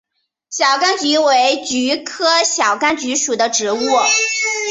小甘菊为菊科小甘菊属的植物。